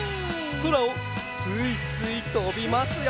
そらをすいすいとびますよ！